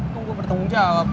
tunggu gue bertanggung jawab